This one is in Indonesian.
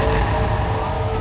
kaga bisa ukur waktu lagi biraz